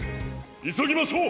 いそぎましょう！